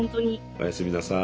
おやすみなさい。